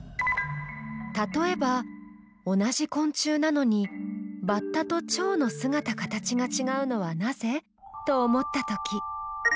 例えば「同じ昆虫なのにバッタとチョウの姿形がちがうのはなぜ？」と思ったとき。